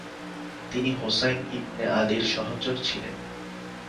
তিনি হোসাইন ইবনে আলীর সহচর ছিলেন।